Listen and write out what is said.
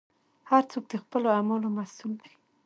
هر څوک د خپلو اعمالو مسوول دی.